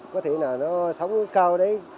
có thể là nó sóng cao đấy